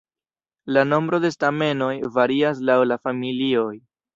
La nombro de stamenoj varias laŭ la familioj.